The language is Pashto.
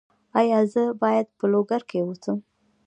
ایا زه باید په لوګر کې اوسم؟